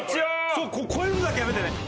そう超えるのだけやめてね。